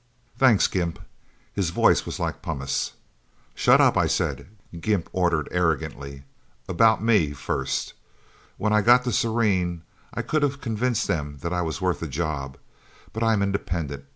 "Thanks, Gimp." His voice was like pumice. "Shut up, I said!" Gimp ordered arrogantly. "About me first. When I got to Serene, I could have convinced them I was worth a job. But I'm independent.